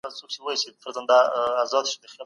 کله چي د انسان ژوند له تهديد سره مخ سي، پناه غواړي.